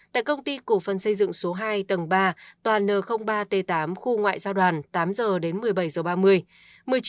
tại công ty cổ phân xây dựng số hai tầng ba toàn n ba t tám khu ngoại giao đoàn tám giờ đến một mươi bảy giờ ba mươi